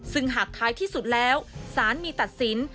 ซึ่งหากท้ายที่สุดแล้วสารมีตัดสิน